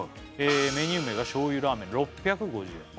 メニュー名が醤油ラーメン６５０円